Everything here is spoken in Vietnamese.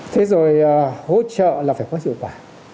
thế rồi hỗ trợ là phải có hiệu quả